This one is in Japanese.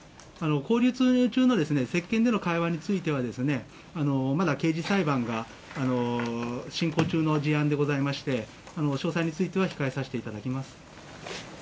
勾留中の接見での会話については、まだ刑事裁判が進行中の事案でございまして、詳細については控えさせていただきます。